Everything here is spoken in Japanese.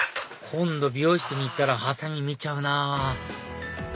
今度美容室に行ったらハサミ見ちゃうなぁ